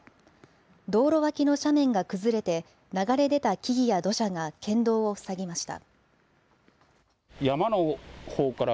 道路脇の斜面が崩れて流れ出た木々や土砂が県道を塞ぎました。